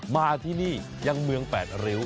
มาที่นี่ยังเมืองแปดริ้ว